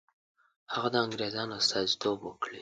هغه د انګرېزانو استازیتوب وکړي.